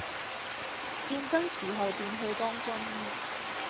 戰爭時候便去當軍醫，